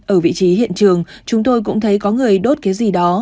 ở vị trí hiện trường chúng tôi cũng thấy có người đốt cái gì đó